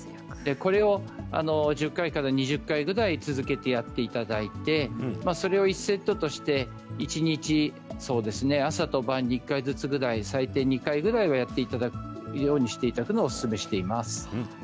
これを１０回から２０回ぐらい続けてやっていただいてそれを１セットとして一日、朝と晩に１回ずつぐらい最低２回ぐらいやっていただくのをおすすめしています。